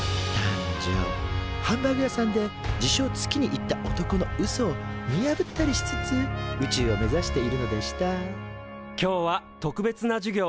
ハンバーグ屋さんで自称月に行った男のうそを見破ったりしつつ宇宙を目指しているのでした今日は特別な授業をしますよ。